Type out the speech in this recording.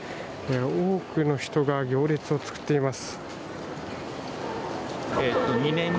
多くの人が行列を作っています。